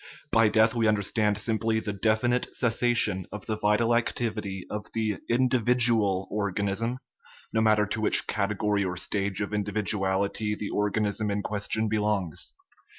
By death we understand simply the definitive cessation of the vital activity of the indi vidual organism, no matter to which category or stage of individuality the organism in question belongs.